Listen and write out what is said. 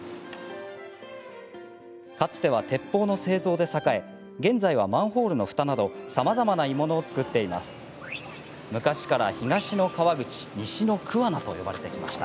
かつては鉄砲の製造で栄え現在はマンホールのふたなどさまざまな鋳物を作っています。